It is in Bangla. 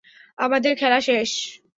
আমাদের খেলা শেষ।